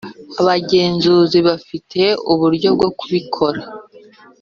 Abagenzuzi bafite uburyo bwo kubikora